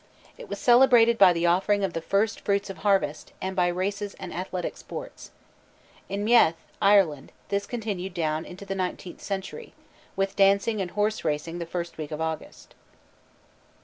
It was celebrated by the offering of the first fruits of harvest, and by races and athletic sports. In Meath, Ireland, this continued down into the nineteenth century, with dancing and horse racing the first week of August.